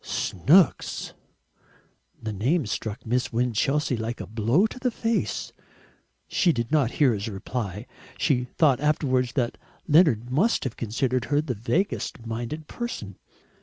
Snooks! The name struck Miss Winchelsea like a blow in the face. She did not hear his reply. She thought afterwards that Leonard must have considered her the vaguest minded person.